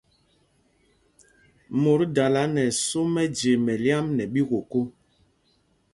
Mot dala nɛ ɛsō mɛje mɛlyam nɛ ɓíkokō.